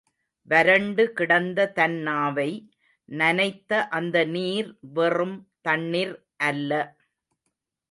வரண்டுகிடந்த தன் நாவை நனைத்த அந்த நீர் வெறும் தண்ணிர் அல்ல.